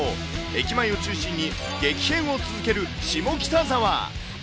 駅前を中心に激変を続ける下北沢。